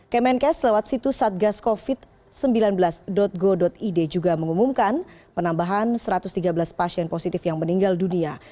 kemenkes lewat situs satgascovid sembilan belas go id juga mengumumkan penambahan satu ratus tiga belas pasien positif yang meninggal dunia